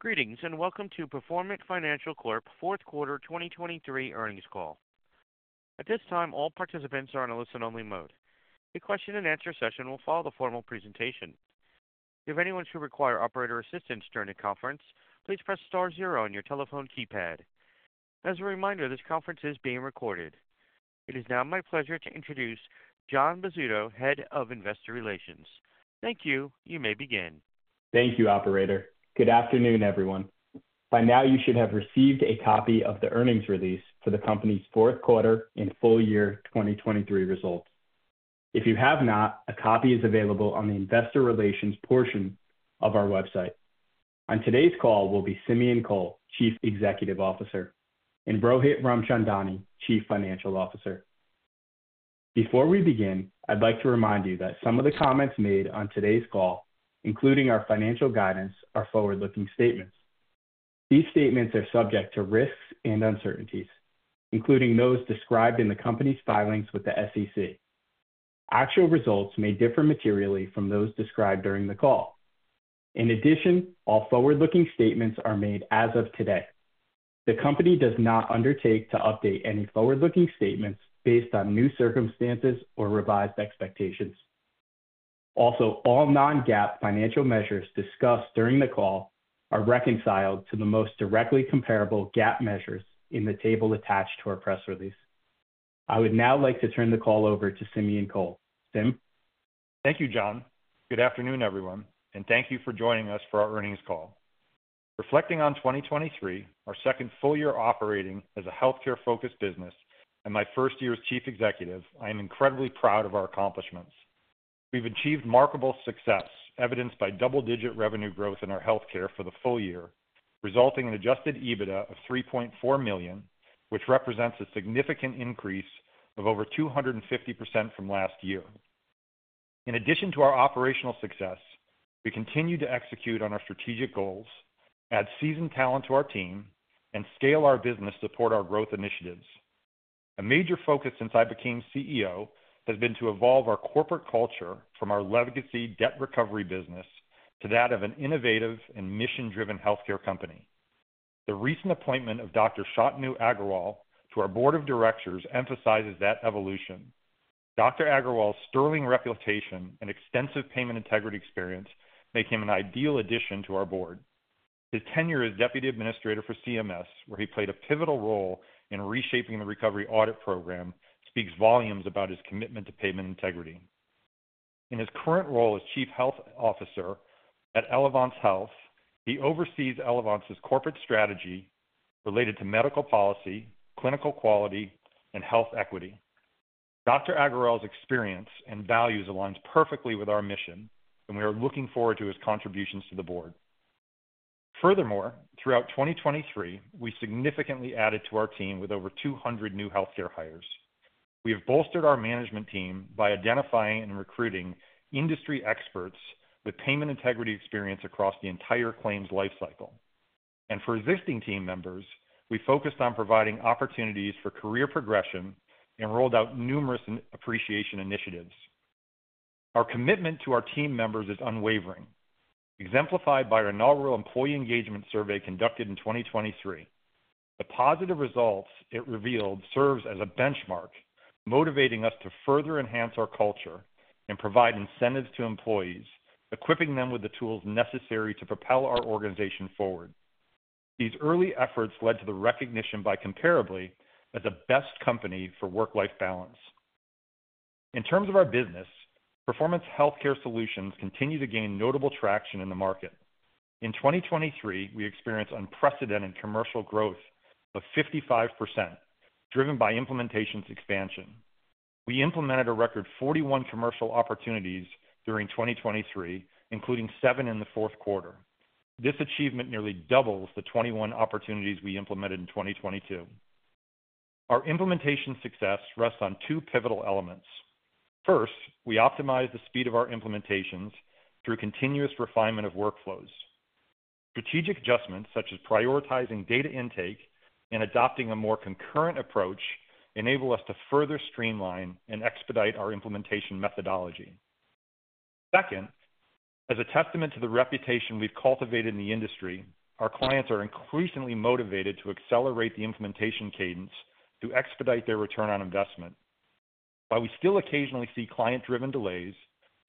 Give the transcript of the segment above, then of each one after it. Greetings and welcome to Performant Financial Corp fourth quarter 2023 earnings call. At this time, all participants are in a listen-only mode. A question-and-answer session will follow the formal presentation. If anyone should require operator assistance during the conference, please press star zero on your telephone keypad. As a reminder, this conference is being recorded. It is now my pleasure to introduce Jon Bozzuto, Head of Investor Relations. Thank you. You may begin. Thank you, operator. Good afternoon, everyone. By now, you should have received a copy of the earnings release for the company's fourth quarter and full year 2023 results. If you have not, a copy is available on the investor relations portion of our website. On today's call will be Simeon Kohl, Chief Executive Officer, and Rohit Ramchandani, Chief Financial Officer. Before we begin, I'd like to remind you that some of the comments made on today's call, including our financial guidance, are forward-looking statements. These statements are subject to risks and uncertainties, including those described in the company's filings with the SEC. Actual results may differ materially from those described during the call. In addition, all forward-looking statements are made as of today. The company does not undertake to update any forward-looking statements based on new circumstances or revised expectations. Also, all non-GAAP financial measures discussed during the call are reconciled to the most directly comparable GAAP measures in the table attached to our press release. I would now like to turn the call over to Simeon Kohl. Sim? Thank you, Jon. Good afternoon, everyone, and thank you for joining us for our earnings call. Reflecting on 2023, our second full year operating as a healthcare-focused business, and my first year as chief executive, I am incredibly proud of our accomplishments. We've achieved remarkable success, evidenced by double-digit revenue growth in our healthcare for the full year, resulting in Adjusted EBITDA of $3.4 million, which represents a significant increase of over 250% from last year. In addition to our operational success, we continue to execute on our strategic goals, add seasoned talent to our team, and scale our business to support our growth initiatives. A major focus since I became CEO has been to evolve our corporate culture from our legacy debt recovery business to that of an innovative and mission-driven healthcare company. The recent appointment of Dr. Shantanu Agrawal to our board of directors emphasizes that evolution. Dr. Agrawal's sterling reputation and extensive payment integrity experience make him an ideal addition to our board. His tenure as deputy administrator for CMS, where he played a pivotal role in reshaping the recovery audit program, speaks volumes about his commitment to payment integrity. In his current role as chief health officer at Elevance Health, he oversees Elevance's corporate strategy related to medical policy, clinical quality, and health equity. Dr. Agrawal's experience and values align perfectly with our mission, and we are looking forward to his contributions to the board. Furthermore, throughout 2023, we significantly added to our team with over 200 new healthcare hires. We have bolstered our management team by identifying and recruiting industry experts with payment integrity experience across the entire claims lifecycle. And for existing team members, we focused on providing opportunities for career progression and rolled out numerous appreciation initiatives. Our commitment to our team members is unwavering, exemplified by our inaugural employee engagement survey conducted in 2023. The positive results it revealed serve as a benchmark, motivating us to further enhance our culture and provide incentives to employees, equipping them with the tools necessary to propel our organization forward. These early efforts led to the recognition by Comparably as a best company for work-life balance. In terms of our business, Performant Healthcare Solutions continue to gain notable traction in the market. In 2023, we experienced unprecedented commercial growth of 55%, driven by implementation's expansion. We implemented a record 41 commercial opportunities during 2023, including seven in the fourth quarter. This achievement nearly doubles the 21 opportunities we implemented in 2022. Our implementation success rests on two pivotal elements. First, we optimized the speed of our implementations through continuous refinement of workflows. Strategic adjustments, such as prioritizing data intake and adopting a more concurrent approach, enable us to further streamline and expedite our implementation methodology. Second, as a testament to the reputation we've cultivated in the industry, our clients are increasingly motivated to accelerate the implementation cadence to expedite their return on investment. While we still occasionally see client-driven delays,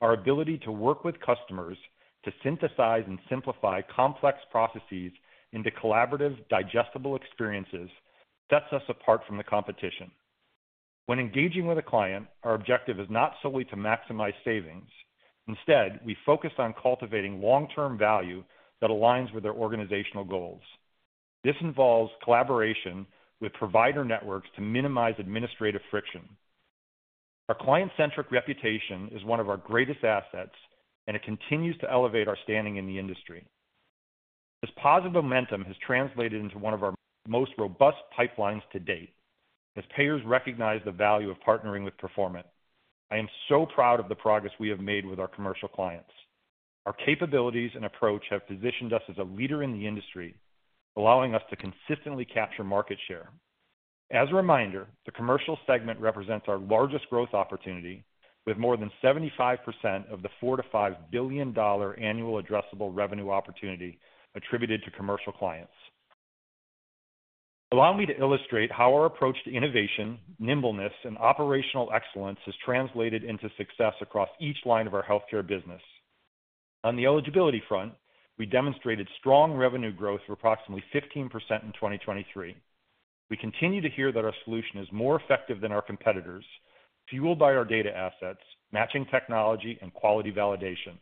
our ability to work with customers to synthesize and simplify complex processes into collaborative, digestible experiences sets us apart from the competition. When engaging with a client, our objective is not solely to maximize savings. Instead, we focus on cultivating long-term value that aligns with their organizational goals. This involves collaboration with provider networks to minimize administrative friction. Our client-centric reputation is one of our greatest assets, and it continues to elevate our standing in the industry. This positive momentum has translated into one of our most robust pipelines to date, as payers recognize the value of partnering with Performant. I am so proud of the progress we have made with our commercial clients. Our capabilities and approach have positioned us as a leader in the industry, allowing us to consistently capture market share. As a reminder, the commercial segment represents our largest growth opportunity, with more than 75% of the $4-$5 billion annual addressable revenue opportunity attributed to commercial clients. Allow me to illustrate how our approach to innovation, nimbleness, and operational excellence has translated into success across each line of our healthcare business. On the eligibility front, we demonstrated strong revenue growth of approximately 15% in 2023. We continue to hear that our solution is more effective than our competitors, fueled by our data assets, matching technology, and quality validation.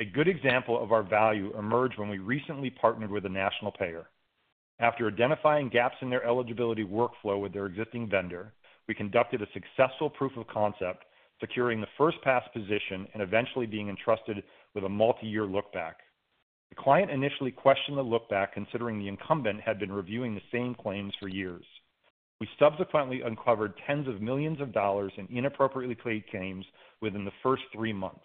A good example of our value emerged when we recently partnered with a national payer. After identifying gaps in their eligibility workflow with their existing vendor, we conducted a successful proof of concept, securing the first-pass position and eventually being entrusted with a multi-year lookback. The client initially questioned the lookback, considering the incumbent had been reviewing the same claims for years. We subsequently uncovered 10 millions of dollars in inappropriately claimed claims within the first three months.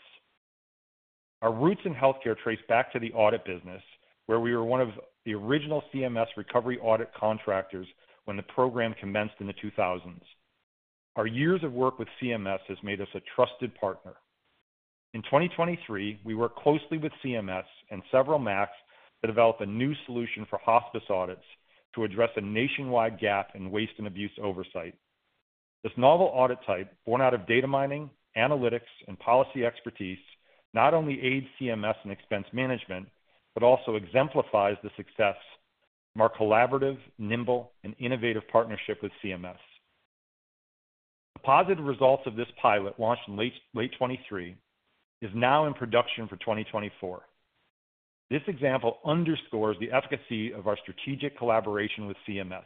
Our roots in healthcare trace back to the audit business, where we were one of the original CMS recovery audit contractors when the program commenced in the 2000s. Our years of work with CMS has made us a trusted partner. In 2023, we worked closely with CMS and several MACs to develop a new solution for hospice audits to address a nationwide gap in waste and abuse oversight. This novel audit type, born out of data mining, analytics, and policy expertise, not only aids CMS in expense management but also exemplifies the success from our collaborative, nimble, and innovative partnership with CMS. The positive results of this pilot, launched in late 2023, are now in production for 2024. This example underscores the efficacy of our strategic collaboration with CMS.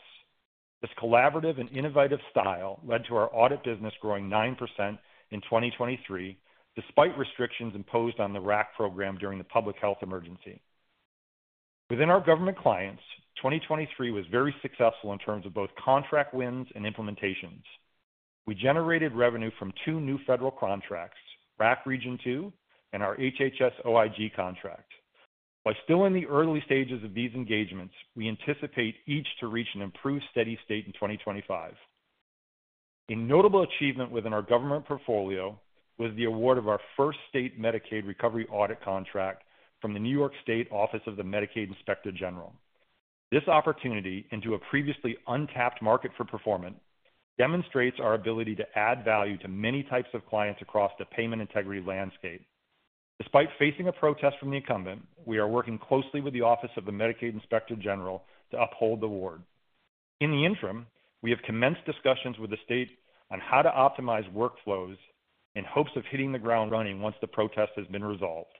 This collaborative and innovative style led to our audit business growing 9% in 2023, despite restrictions imposed on the RAC program during the public health emergency. Within our government clients, 2023 was very successful in terms of both contract wins and implementations. We generated revenue from two new federal contracts, RAC Region 2 and our HHS OIG contract. While still in the early stages of these engagements, we anticipate each to reach an improved steady state in 2025. A notable achievement within our government portfolio was the award of our first state Medicaid recovery audit contract from the New York State Office of the Medicaid Inspector General. This opportunity into a previously untapped market for Performant demonstrates our ability to add value to many types of clients across the payment integrity landscape. Despite facing a protest from the incumbent, we are working closely with the Office of the Medicaid Inspector General to uphold the award. In the interim, we have commenced discussions with the state on how to optimize workflows in hopes of hitting the ground running once the protest has been resolved.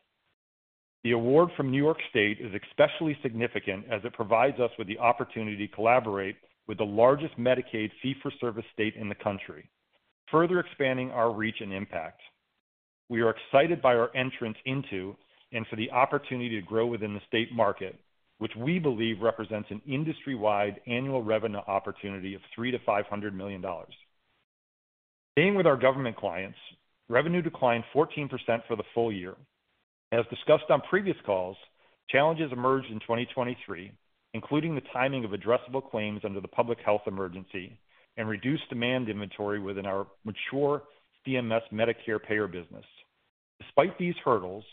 The award from New York State is especially significant as it provides us with the opportunity to collaborate with the largest Medicaid fee-for-service state in the country, further expanding our reach and impact. We are excited by our entrance into and for the opportunity to grow within the state market, which we believe represents an industry-wide annual revenue opportunity of $3-$500 million. Being with our government clients, revenue declined 14% for the full year. As discussed on previous calls, challenges emerged in 2023, including the timing of addressable claims under the public health emergency and reduced demand inventory within our mature CMS Medicare payer business. Despite these hurdles,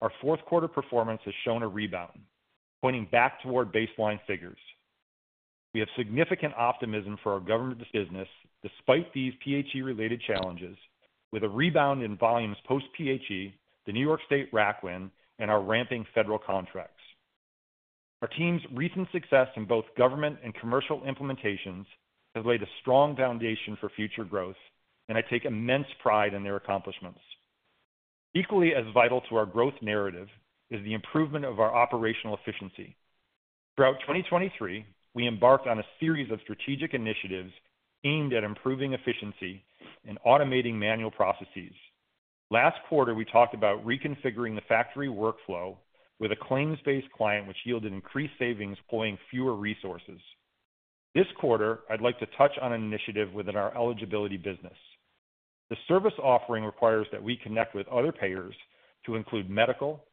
our fourth quarter performance has shown a rebound, pointing back toward baseline figures. We have significant optimism for our government business despite these PHE-related challenges, with a rebound in volumes post-PHE, the New York State RAC win, and our ramping federal contracts. Our team's recent success in both government and commercial implementations has laid a strong foundation for future growth, and I take immense pride in their accomplishments. Equally as vital to our growth narrative is the improvement of our operational efficiency. Throughout 2023, we embarked on a series of strategic initiatives aimed at improving efficiency and automating manual processes. Last quarter, we talked about reconfiguring the factory workflow with a claims-based client, which yielded increased savings employing fewer resources. This quarter, I'd like to touch on an initiative within our eligibility business. The service offering requires that we connect with other payers to include medical,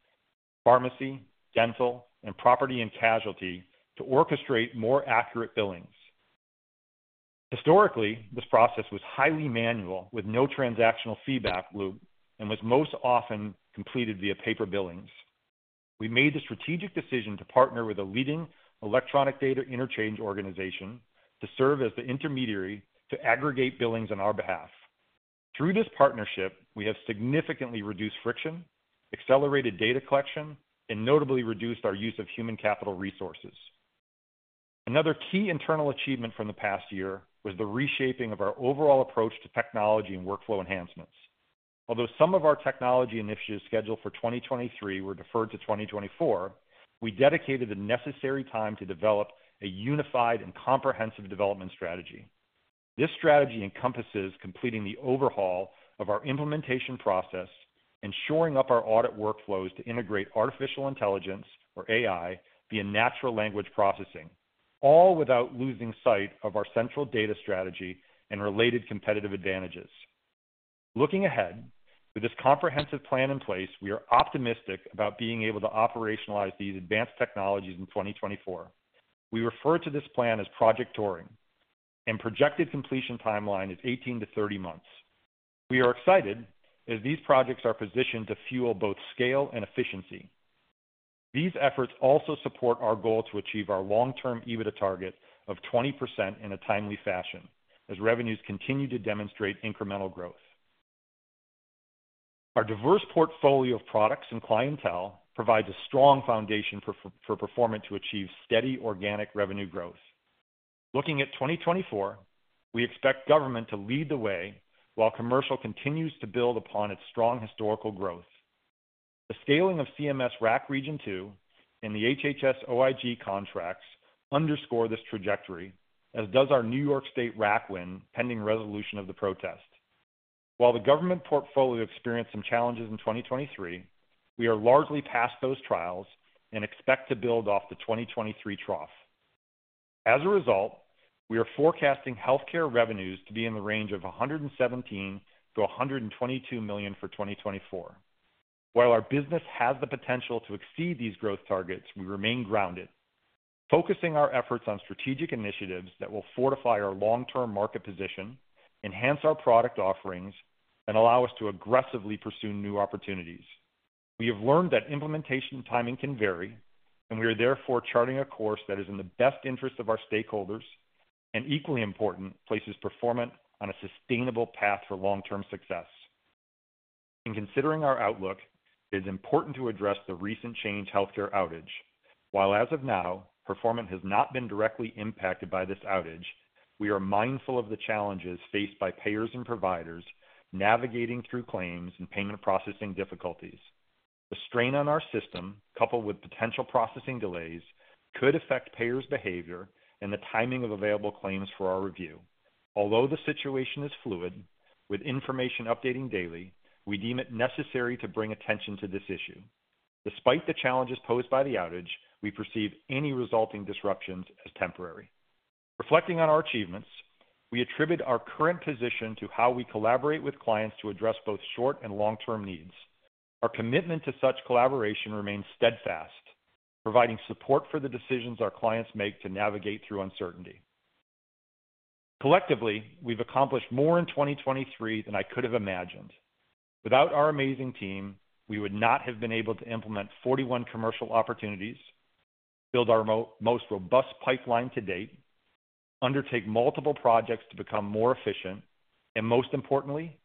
pharmacy, dental, and property and casualty to orchestrate more accurate billings. Historically, this process was highly manual, with no transactional feedback loop, and was most often completed via paper billings. We made the strategic decision to partner with a leading electronic data interchange organization to serve as the intermediary to aggregate billings on our behalf. Through this partnership, we have significantly reduced friction, accelerated data collection, and notably reduced our use of human capital resources. Another key internal achievement from the past year was the reshaping of our overall approach to technology and workflow enhancements. Although some of our technology initiatives scheduled for 2023 were deferred to 2024, we dedicated the necessary time to develop a unified and comprehensive development strategy. This strategy encompasses completing the overhaul of our implementation process, beefing up our audit workflows to integrate artificial intelligence, or AI, via natural language processing, all without losing sight of our central data strategy and related competitive advantages. Looking ahead, with this comprehensive plan in place, we are optimistic about being able to operationalize these advanced technologies in 2024. We refer to this plan as Project Turing, and the projected completion timeline is 18-30 months. We are excited as these projects are positioned to fuel both scale and efficiency. These efforts also support our goal to achieve our long-term EBITDA target of 20% in a timely fashion as revenues continue to demonstrate incremental growth. Our diverse portfolio of products and clientele provides a strong foundation for Performant to achieve steady organic revenue growth. Looking at 2024, we expect government to lead the way while commercial continues to build upon its strong historical growth. The scaling of CMS RAC Region 2 and the HHS OIG contracts underscore this trajectory, as does our New York State RAC win pending resolution of the protest. While the government portfolio experienced some challenges in 2023, we are largely past those trials and expect to build off the 2023 trough. As a result, we are forecasting healthcare revenues to be in the range of $117-$122 million for 2024. While our business has the potential to exceed these growth targets, we remain grounded, focusing our efforts on strategic initiatives that will fortify our long-term market position, enhance our product offerings, and allow us to aggressively pursue new opportunities. We have learned that implementation timing can vary, and we are therefore charting a course that is in the best interest of our stakeholders and, equally important, places Performant on a sustainable path for long-term success. In considering our outlook, it is important to address the recent Change Healthcare outage. While, as of now, Performant has not been directly impacted by this outage, we are mindful of the challenges faced by payers and providers navigating through claims and payment processing difficulties. The strain on our system, coupled with potential processing delays, could affect payers' behavior and the timing of available claims for our review. Although the situation is fluid, with information updating daily, we deem it necessary to bring attention to this issue. Despite the challenges posed by the outage, we perceive any resulting disruptions as temporary. Reflecting on our achievements, we attribute our current position to how we collaborate with clients to address both short and long-term needs. Our commitment to such collaboration remains steadfast, providing support for the decisions our clients make to navigate through uncertainty. Collectively, we've accomplished more in 2023 than I could have imagined. Without our amazing team, we would not have been able to implement 41 commercial opportunities, build our most robust pipeline to date, undertake multiple projects to become more efficient, and, most importantly,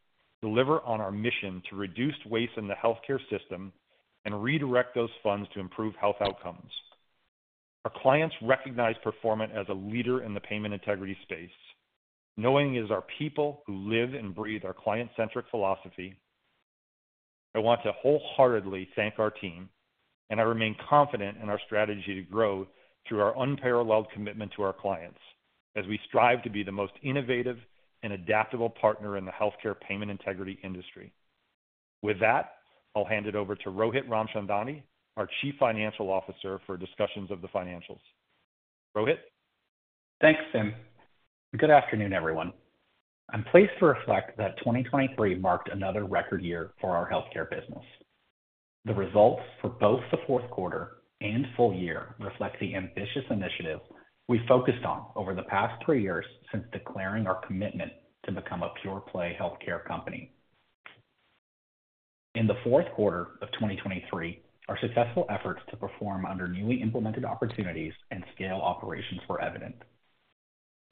deliver on our mission to reduce waste in the healthcare system and redirect those funds to improve health outcomes. Our clients recognize Performant as a leader in the payment integrity space, knowing it is our people who live and breathe our client-centric philosophy. I want to wholeheartedly thank our team, and I remain confident in our strategy to grow through our unparalleled commitment to our clients as we strive to be the most innovative and adaptable partner in the healthcare payment integrity industry. With that, I'll hand it over to Rohit Ramchandani, our Chief Financial Officer for discussions of the financials. Rohit? Thanks, Sim. Good afternoon, everyone. I'm pleased to reflect that 2023 marked another record year for our healthcare business. The results for both the fourth quarter and full year reflect the ambitious initiatives we've focused on over the past three years since declaring our commitment to become a pure-play healthcare company. In the fourth quarter of 2023, our successful efforts to perform under newly implemented opportunities and scale operations were evident.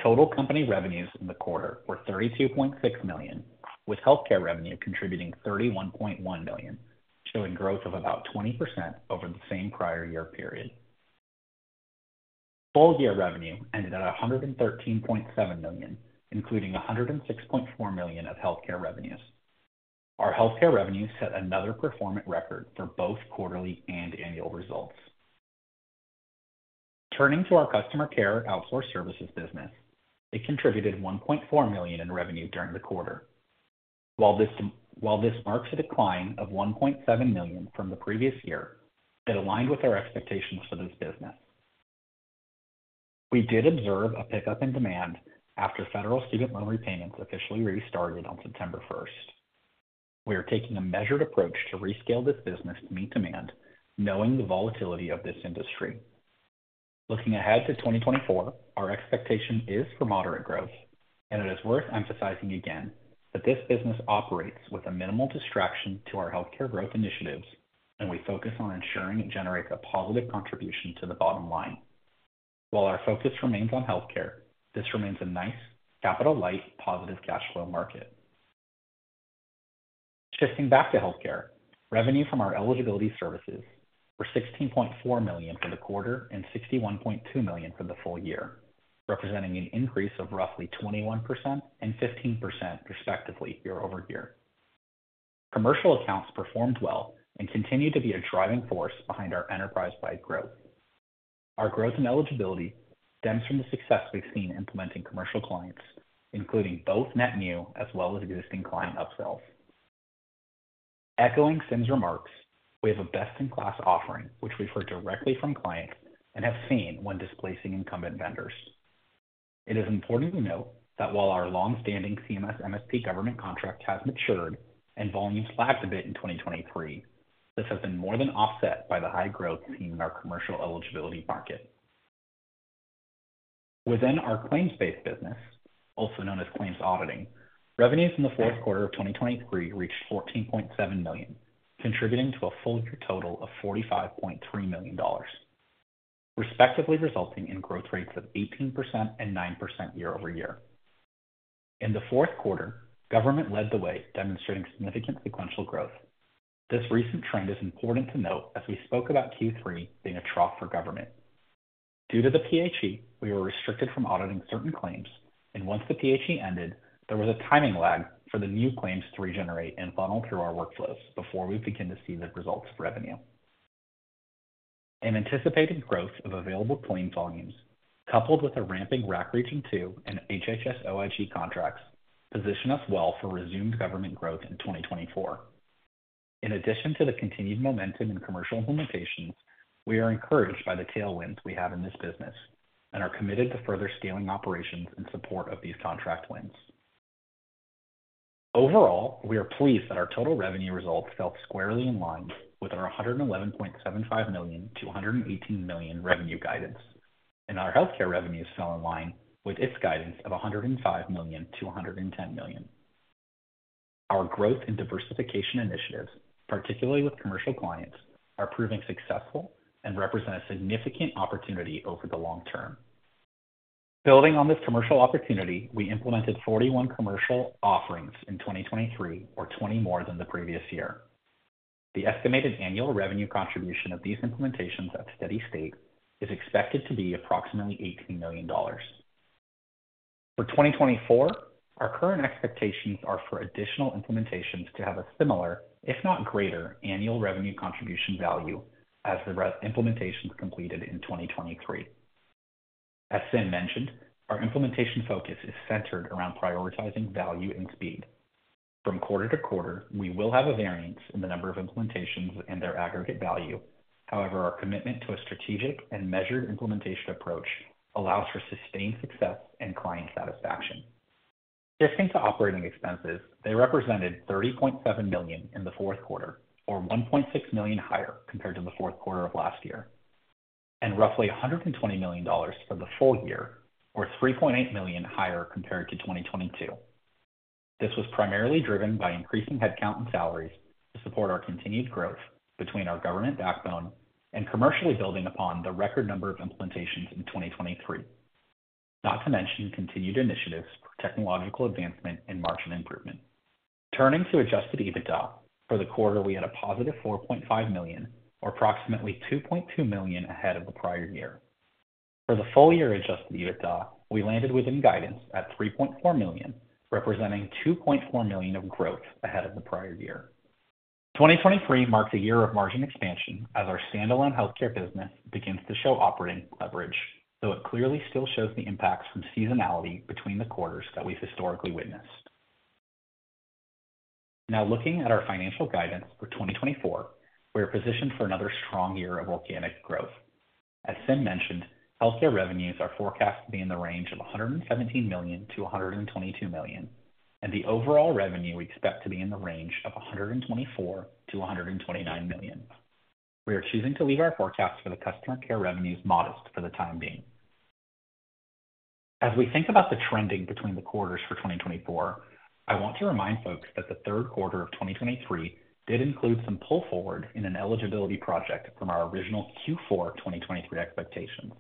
Total company revenues in the quarter were $32.6 million, with healthcare revenue contributing $31.1 million, showing growth of about 20% over the same prior year period. Full-year revenue ended at $113.7 million, including $106.4 million of healthcare revenues. Our healthcare revenues set another performance record for both quarterly and annual results. Turning to our customer care outsource services business, it contributed $1.4 million in revenue during the quarter. While this marks a decline of $1.7 million from the previous year, it aligned with our expectations for this business. We did observe a pickup in demand after federal student loan repayments officially restarted on September 1st. We are taking a measured approach to rescale this business to meet demand, knowing the volatility of this industry. Looking ahead to 2024, our expectation is for moderate growth, and it is worth emphasizing again that this business operates with a minimal distraction to our healthcare growth initiatives, and we focus on ensuring it generates a positive contribution to the bottom line. While our focus remains on healthcare, this remains a nice, capital-light, positive cash flow market. Shifting back to healthcare, revenue from our eligibility services was $16.4 million for the quarter and $61.2 million for the full year, representing an increase of roughly 21% and 15%, respectively, year-over-year. Commercial accounts performed well and continue to be a driving force behind our enterprise-wide growth. Our growth and eligibility stems from the success we've seen implementing commercial clients, including both net new as well as existing client upsells. Echoing Sim's remarks, we have a best-in-class offering, which we've heard directly from clients and have seen when displacing incumbent vendors. It is important to note that while our longstanding CMS MSP government contract has matured and volumes lagged a bit in 2023, this has been more than offset by the high growth seen in our commercial eligibility market. Within our claims-based business, also known as claims auditing, revenues in the fourth quarter of 2023 reached $14.7 million, contributing to a full year total of $45.3 million, respectively resulting in growth rates of 18% and 9% year-over-year. In the fourth quarter, government led the way, demonstrating significant sequential growth. This recent trend is important to note as we spoke about Q3 being a trough for government. Due to the PHE, we were restricted from auditing certain claims, and once the PHE ended, there was a timing lag for the new claims to regenerate and funnel through our workflows before we began to see the results of revenue. An anticipated growth of available claim volumes, coupled with a ramping RAC Region 2 and HHS OIG contracts, position us well for resumed government growth in 2024. In addition to the continued momentum in commercial implementations, we are encouraged by the tailwinds we have in this business and are committed to further scaling operations in support of these contract wins. Overall, we are pleased that our total revenue results fell squarely in line with our $111.75-$118 million revenue guidance, and our healthcare revenues fell in line with its guidance of $105-$110 million. Our growth and diversification initiatives, particularly with commercial clients, are proving successful and represent a significant opportunity over the long term. Building on this commercial opportunity, we implemented 41 commercial offerings in 2023, or 20 more than the previous year. The estimated annual revenue contribution of these implementations at steady state is expected to be approximately $18 million. For 2024, our current expectations are for additional implementations to have a similar, if not greater, annual revenue contribution value as the implementations completed in 2023. As Sim mentioned, our implementation focus is centered around prioritizing value and speed. From quarter to quarter, we will have a variance in the number of implementations and their aggregate value. However, our commitment to a strategic and measured implementation approach allows for sustained success and client satisfaction. Shifting to operating expenses, they represented $30.7 million in the fourth quarter, or $1.6 million higher compared to the fourth quarter of last year, and roughly $120 million for the full year, or $3.8 million higher compared to 2022. This was primarily driven by increasing headcount and salaries to support our continued growth between our government backbone and commercially building upon the record number of implementations in 2023, not to mention continued initiatives for technological advancement and margin improvement. Turning to Adjusted EBITDA, for the quarter, we had a positive $4.5 million, or approximately $2.2 million ahead of the prior year. For the full-year Adjusted EBITDA, we landed within guidance at $3.4 million, representing $2.4 million of growth ahead of the prior year. 2023 marked a year of margin expansion as our standalone healthcare business begins to show operating leverage, though it clearly still shows the impacts from seasonality between the quarters that we've historically witnessed. Now, looking at our financial guidance for 2024, we are positioned for another strong year of organic growth. As Sim mentioned, healthcare revenues are forecast to be in the range of $117-$122 million, and the overall revenue we expect to be in the range of $124-$129 million. We are choosing to leave our forecast for the customer care revenues modest for the time being. As we think about the trending between the quarters for 2024, I want to remind folks that the third quarter of 2023 did include some pull forward in an eligibility project from our original Q4 2023 expectations.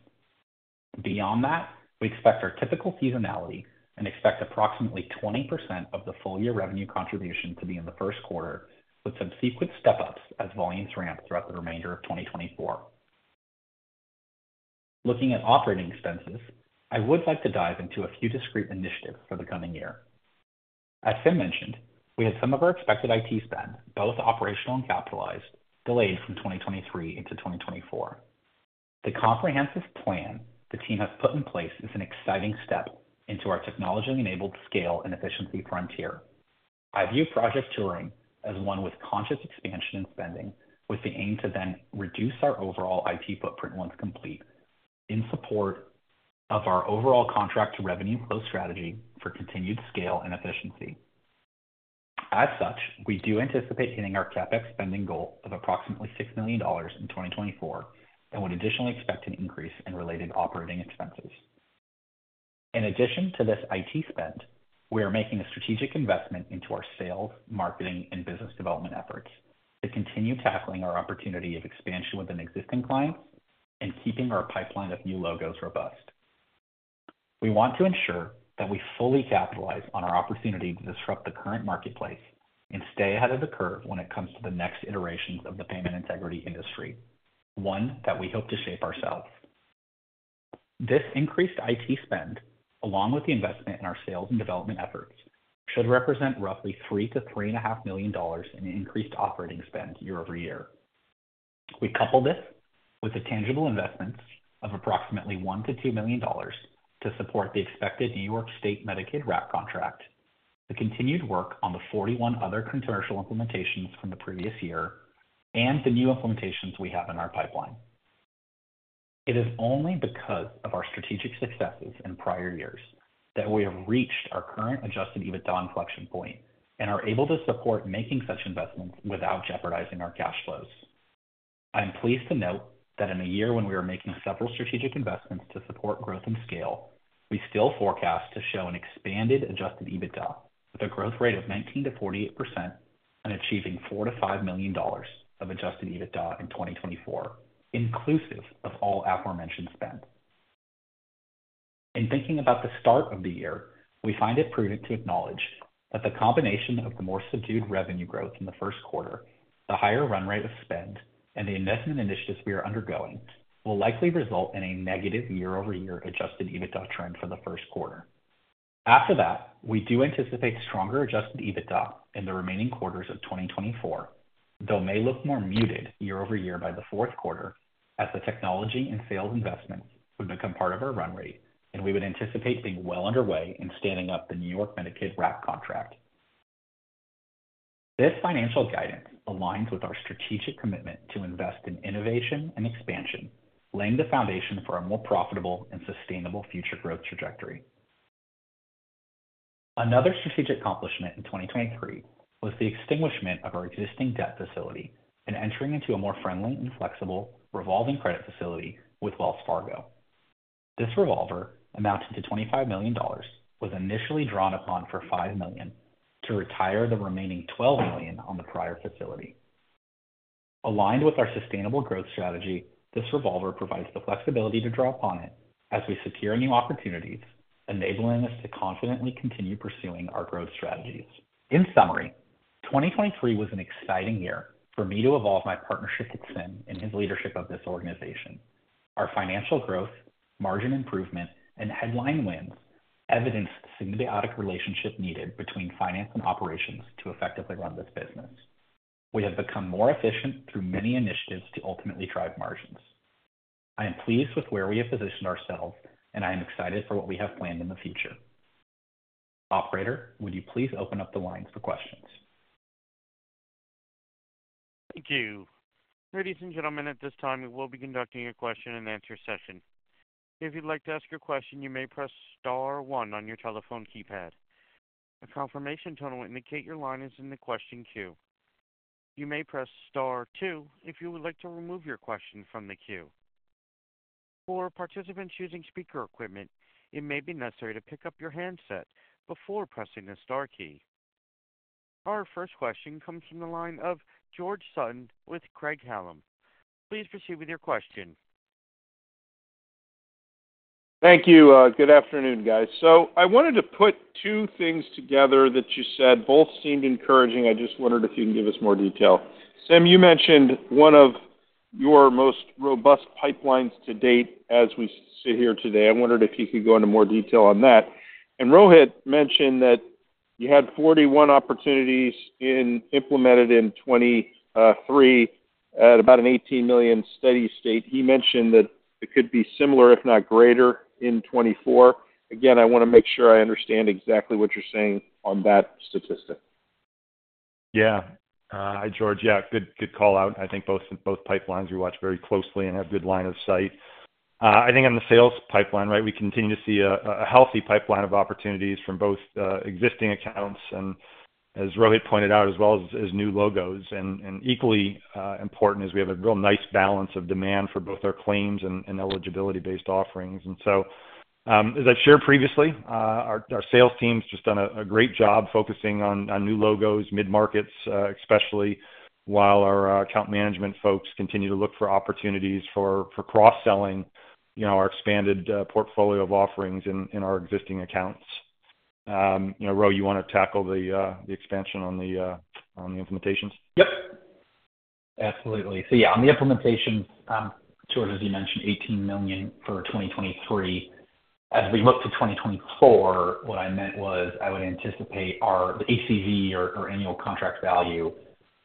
Beyond that, we expect our typical seasonality and expect approximately 20% of the full-year revenue contribution to be in the first quarter, with subsequent step-ups as volumes ramp throughout the remainder of 2024. Looking at operating expenses, I would like to dive into a few discrete initiatives for the coming year. As Sim mentioned, we had some of our expected IT spend, both operational and capitalized, delayed from 2023 into 2024. The comprehensive plan the team has put in place is an exciting step into our technology-enabled scale and efficiency frontier. I view Project Turing as one with conscious expansion and spending, with the aim to then reduce our overall IT footprint once complete in support of our overall contract revenue flow strategy for continued scale and efficiency. As such, we do anticipate hitting our CapEx spending goal of approximately $6 million in 2024 and would additionally expect an increase in related operating expenses. In addition to this IT spend, we are making a strategic investment into our sales, marketing, and business development efforts to continue tackling our opportunity of expansion within existing clients and keeping our pipeline of new logos robust. We want to ensure that we fully capitalize on our opportunity to disrupt the current marketplace and stay ahead of the curve when it comes to the next iterations of the payment integrity industry, one that we hope to shape ourselves. This increased IT spend, along with the investment in our sales and development efforts, should represent roughly $3-$3.5 million in increased operating spend year-over-year. We couple this with the tangible investments of approximately $1-$2 million to support the expected New York State Medicaid RAC contract, the continued work on the 41 other commercial implementations from the previous year, and the new implementations we have in our pipeline. It is only because of our strategic successes in prior years that we have reached our current Adjusted EBITDA inflection point and are able to support making such investments without jeopardizing our cash flows. I'm pleased to note that in a year when we were making several strategic investments to support growth and scale, we still forecast to show an expanded adjusted EBITDA with a growth rate of 19%-48% and achieving $4 million-$5 million of adjusted EBITDA in 2024, inclusive of all aforementioned spend. In thinking about the start of the year, we find it prudent to acknowledge that the combination of the more subdued revenue growth in the first quarter, the higher run rate of spend, and the investment initiatives we are undergoing will likely result in a negative year-over-year adjusted EBITDA trend for the first quarter. After that, we do anticipate stronger Adjusted EBITDA in the remaining quarters of 2024, though may look more muted year-over-year by the fourth quarter as the technology and sales investments would become part of our run rate, and we would anticipate being well underway in standing up the New York Medicaid RAC contract. This financial guidance aligns with our strategic commitment to invest in innovation and expansion, laying the foundation for a more profitable and sustainable future growth trajectory. Another strategic accomplishment in 2023 was the extinguishment of our existing debt facility and entering into a more friendly and flexible revolving credit facility with Wells Fargo. This revolver, amounting to $25 million, was initially drawn upon for $5 million to retire the remaining $12 million on the prior facility. Aligned with our sustainable growth strategy, this revolver provides the flexibility to draw upon it as we secure new opportunities, enabling us to confidently continue pursuing our growth strategies. In summary, 2023 was an exciting year for me to evolve my partnership with Sim and his leadership of this organization. Our financial growth, margin improvement, and headline wins evidenced the symbiotic relationship needed between finance and operations to effectively run this business. We have become more efficient through many initiatives to ultimately drive margins. I am pleased with where we have positioned ourselves, and I am excited for what we have planned in the future. Operator, would you please open up the lines for questions? Thank you. Ladies and gentlemen, at this time, we will be conducting a question and answer session. If you'd like to ask your question, you may press star one on your telephone keypad. The confirmation tone will indicate your line is in the question queue. You may press star two if you would like to remove your question from the queue. For participants choosing speaker equipment, it may be necessary to pick up your handset before pressing the star key. Our first question comes from the line of George Sutton with Craig-Hallum. Please proceed with your question. Thank you. Good afternoon, guys. So I wanted to put two things together that you said both seemed encouraging. I just wondered if you can give us more detail. Sim, you mentioned one of your most robust pipelines to date as we sit here today. I wondered if you could go into more detail on that. And Rohit mentioned that you had 41 opportunities implemented in 2023 at about an $18 million steady state. He mentioned that it could be similar, if not greater, in 2024. Again, I want to make sure I understand exactly what you're saying on that statistic. Yeah. Hi, George. Yeah, good callout. I think both pipelines we watch very closely and have good line of sight. I think on the sales pipeline, right, we continue to see a healthy pipeline of opportunities from both existing accounts and, as Rohit pointed out, as well as new logos. And equally important is we have a real nice balance of demand for both our claims and eligibility-based offerings. And so, as I've shared previously, our sales team's just done a great job focusing on new logos, mid-markets especially, while our account management folks continue to look for opportunities for cross-selling our expanded portfolio of offerings in our existing accounts. Ro, you want to tackle the expansion on the implementations? Yep. Absolutely. So yeah, on the implementations tour, as you mentioned, $18 million for 2023. As we look to 2024, what I meant was I would anticipate the ACV, or annual contract value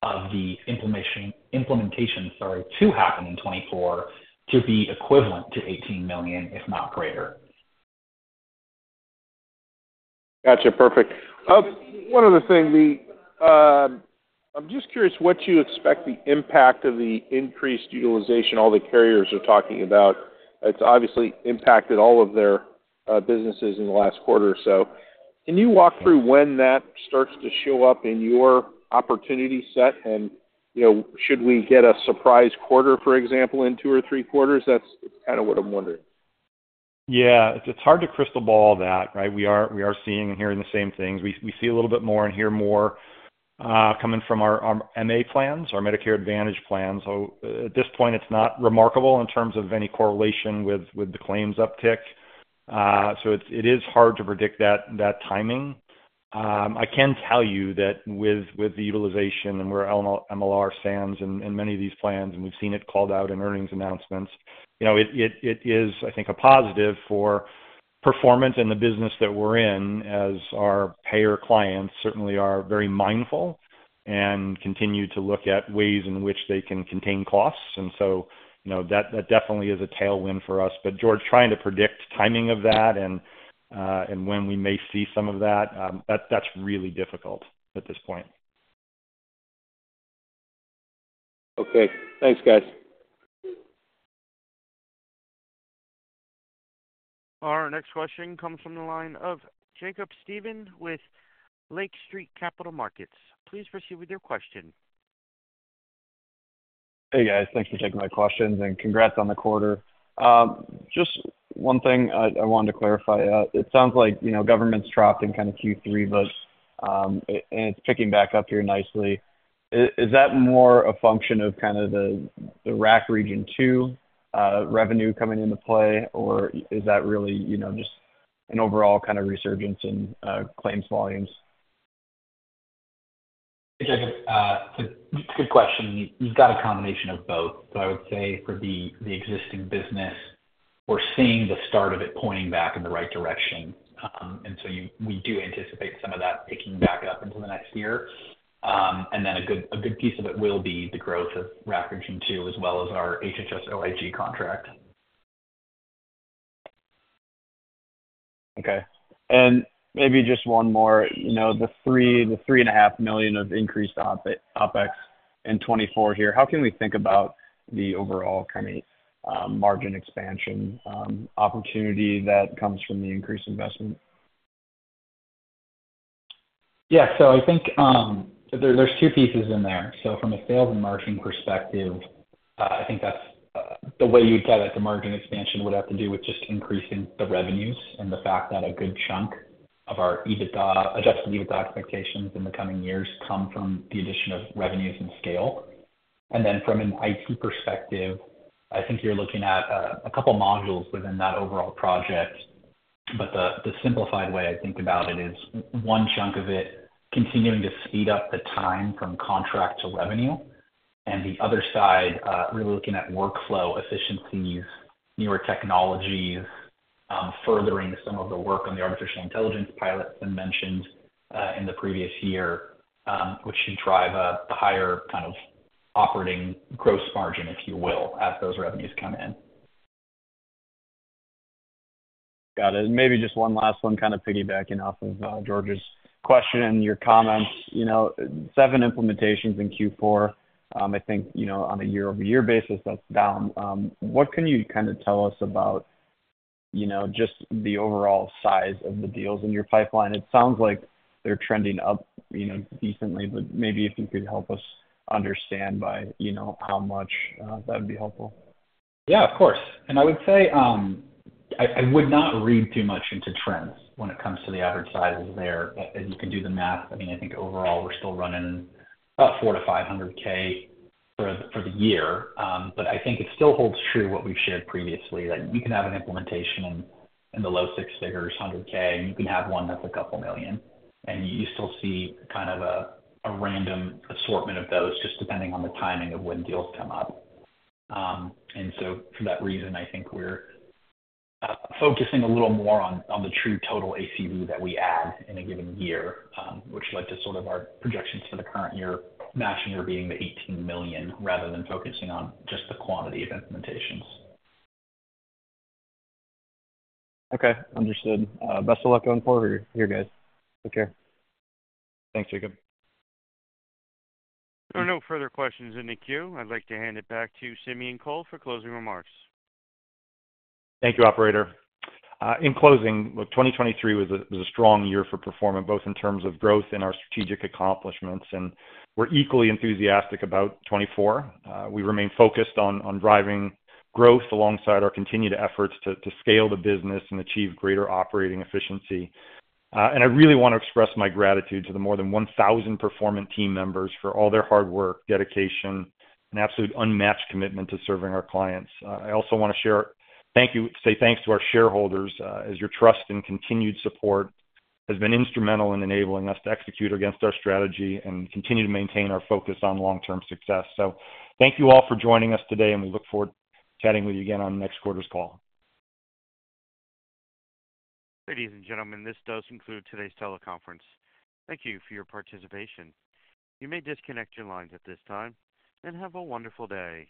of the implementation, sorry, to happen in 2024 to be equivalent to $18 million, if not greater. Gotcha. Perfect. One other thing, I'm just curious what you expect the impact of the increased utilization, all the carriers are talking about. It's obviously impacted all of their businesses in the last quarter. So can you walk through when that starts to show up in your opportunity set? And should we get a surprise quarter, for example, in two or three quarters? That's kind of what I'm wondering. Yeah. It's hard to crystal ball that, right? We are seeing and hearing the same things. We see a little bit more and hear more coming from our MA plans, our Medicare Advantage plans. At this point, it's not remarkable in terms of any correlation with the claims uptick. So it is hard to predict that timing. I can tell you that with the utilization and where MLR stands in many of these plans, and we've seen it called out in earnings announcements, it is, I think, a positive for performance in the business that we're in as our payer clients certainly are very mindful and continue to look at ways in which they can contain costs. And so that definitely is a tailwind for us. But George, trying to predict timing of that and when we may see some of that, that's really difficult at this point. Okay. Thanks, guys. Our next question comes from the line of Jacob Stephan with Lake Street Capital Markets. Please proceed with your question. Hey, guys. Thanks for taking my questions, and congrats on the quarter. Just one thing I wanted to clarify. It sounds like government's dropped in kind of Q3, and it's picking back up here nicely. Is that more a function of kind of the RAC Region 2 revenue coming into play, or is that really just an overall kind of resurgence in claims volumes? Hey, Jacob. It's a good question. You've got a combination of both. So I would say for the existing business, we're seeing the start of it pointing back in the right direction. And so we do anticipate some of that picking back up into the next year. And then a good piece of it will be the growth of RAC Region 2 as well as our HHS OIG contract. Okay. And maybe just one more. The $3.5 million of increased OpEx in 2024 here, how can we think about the overall kind of margin expansion opportunity that comes from the increased investment? Yeah. So I think there are two pieces in there. So from a sales and marketing perspective, I think that's the way you'd get at the margin expansion would have to do with just increasing the revenues and the fact that a good chunk of our Adjusted EBITDA expectations in the coming years come from the addition of revenues and scale. And then from an IT perspective, I think you're looking at a couple of modules within that overall project. But the simplified way I think about it is one chunk of it continuing to speed up the time from contract to revenue, and the other side really looking at workflow efficiencies, newer technologies, furthering some of the work on the artificial intelligence pilots I mentioned in the previous year, which should drive a higher kind of operating gross margin, if you will, as those revenues come in. Got it. And maybe just one last one, kind of piggybacking off of George's question and your comments. Seven implementations in Q4. I think on a year-over-year basis, that's down. What can you kind of tell us about just the overall size of the deals in your pipeline? It sounds like they're trending up decently, but maybe if you could help us understand by how much, that would be helpful. Yeah, of course. I would say I would not read too much into trends when it comes to the average sizes there. As you can do the math, I mean, I think overall we're still running about $400,000-$500,000 for the year. But I think it still holds true what we've shared previously, that you can have an implementation in the low six figures, $100,000, and you can have one that's $2 million. You still see kind of a random assortment of those just depending on the timing of when deals come up. So for that reason, I think we're focusing a little more on the true total ACV that we add in a given year, which led to sort of our projections for the current year matching or being the $18 million rather than focusing on just the quantity of implementations. Okay. Understood. Best of luck going forward here, guys. Take care. Thanks, Jacob. I don't know if further questions in the queue. I'd like to hand it back to Simeon Kohl for closing remarks. Thank you, operator. In closing, look, 2023 was a strong year for Performant, both in terms of growth and our strategic accomplishments. We're equally enthusiastic about 2024. We remain focused on driving growth alongside our continued efforts to scale the business and achieve greater operating efficiency. I really want to express my gratitude to the more than 1,000 Performant team members for all their hard work, dedication, and absolute unmatched commitment to serving our clients. I also want to share thank you say thanks to our shareholders as your trust and continued support has been instrumental in enabling us to execute against our strategy and continue to maintain our focus on long-term success. So thank you all for joining us today, and we look forward to chatting with you again on next quarter's call. Ladies and gentlemen, this does conclude today's teleconference. Thank you for your participation. You may disconnect your lines at this time. Have a wonderful day.